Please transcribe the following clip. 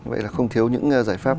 vậy là không thiếu những giải pháp